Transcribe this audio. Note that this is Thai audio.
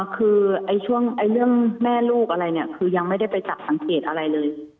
คือช่วงเรื่องแม่ลูกอะไรเนี่ยคือยังไม่ได้ไปจับสังเกตอะไรเลย